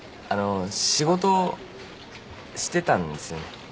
あの仕事してたんですよね。